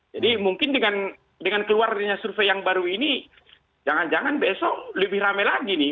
jadi mungkin dengan keluar dari survei yang baru ini jangan jangan besok lebih ramai lagi nih